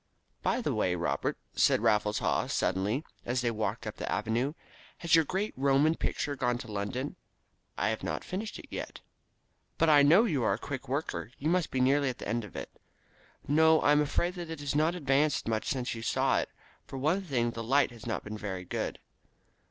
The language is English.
"By the way, Robert," said Raffles Haw suddenly, as they walked up the Avenue. "Has your great Roman picture gone to London?" "I have not finished it yet." "But I know that you are a quick worker. You must be nearly at the end of it." "No, I am afraid that it has not advanced much since you saw it. For one thing, the light has not been very good."